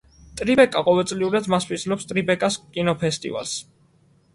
ტრიბეკა ყოველწლიურად მასპინძლობს ტრიბეკას კინოფესტივალს.